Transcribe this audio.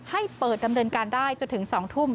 ให้เปิดดำเนินการได้จนถึง๒ทุ่ม